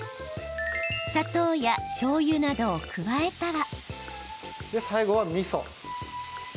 砂糖やしょうゆなどを加えたら。